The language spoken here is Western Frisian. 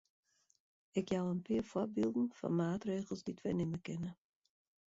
Ik jou in pear foarbylden fan maatregels dy't wy nimme kinne.